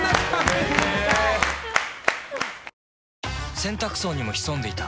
洗濯槽にも潜んでいた。